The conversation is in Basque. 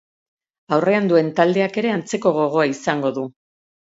Aurrean duen taldeak ere antzeko gogoa izango du.